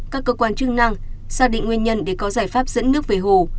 các cơ quan chức năng xác định nguyên nhân để có giải pháp dẫn nước về hồ